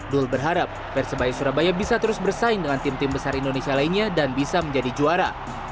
dul berharap persebaya surabaya bisa terus bersaing dengan tim tim besar indonesia lainnya dan bisa menjadi juara